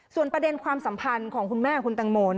ส่วนประเด็นความสัมพันธ์ของคุณแม่ของคุณตังโม